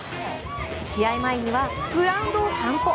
試合前にはグラウンドを散歩。